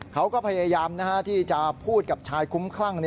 เขาก็พยายามที่จะพูดกับชายคุ้มคลั่ง